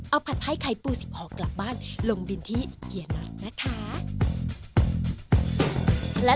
เอาผัดไทยไข่ปู๑๖กลับบ้านลงบินที่เฮียนัทนะคะ